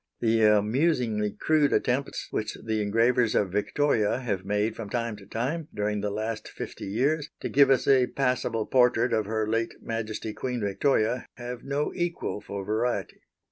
The amusingly crude attempts which the engravers of Victoria have made from time to time, during the last fifty years, to give us a passable portrait of Her late Majesty Queen Victoria, have no equal for variety.